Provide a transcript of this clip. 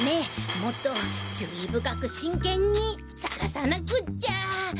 もっと注意深く真けんにさがさなくっちゃ！